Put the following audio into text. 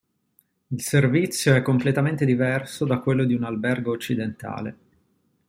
Il servizio è completamente diverso da quello di un albergo occidentale.